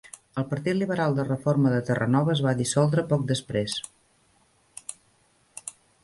El Partit Liberal de Reforma de Terranova es va dissoldre poc després.